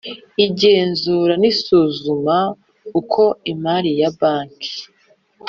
Igenzura n’isuzuma uko imari ya banki